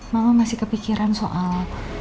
mama masih kepikiran soal